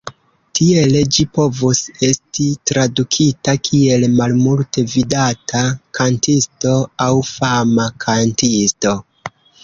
Tiele ĝi povus esti tradukita kiel "malmulte vidata kantisto" aŭ "fama kantisto".